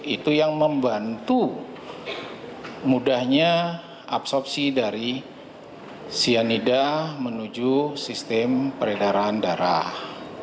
itu yang membantu mudahnya absorpsi dari cyanida menuju sistem peredaran darah